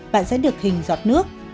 bạn sẽ được hình giọt nước